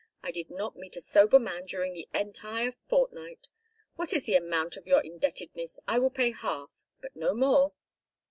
I did not meet a sober man during the entire fortnight. What is the amount of your indebtedness? I will pay half, but no more."